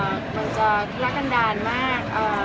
มันจะทัลากันดานมาก